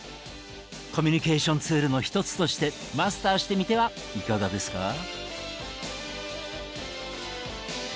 コミュニケーションツールの一つとしてマスターしてみてはいかがですか？